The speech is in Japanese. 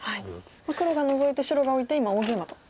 黒がノゾいて白がオイて今大ゲイマと。